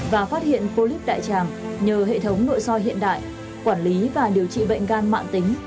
và phát hiện polyp đại tràng nhờ hệ thống nội soi hiện đại quản lý và điều trị bệnh gan mạng tính